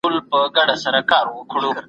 منصفانه قضاوت د یو عالم نښه ده.